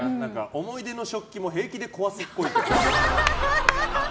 思い出の食器も平気で壊すっぽい。